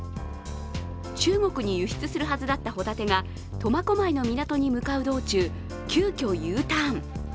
中国に輸出するはずだったホタテが苫小牧の港に向かう道中、急きょＵターン。